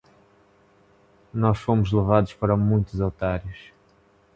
Nós fomos levados para muitos otários!